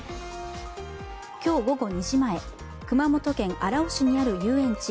今日午後２時前熊本県荒尾市にある遊園地